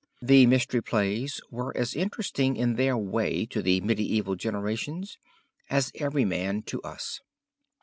The Mystery Plays were as interesting in their way to the medieval generations as "Everyman" to us.